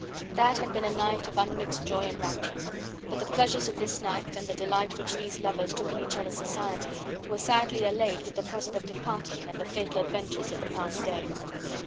That had been a night of unmixed joy and rapture; but the pleasures of this night and the delight which these lovers took in each other's society were sadly allayed with the prospect of parting and the fatal adventures of the past day.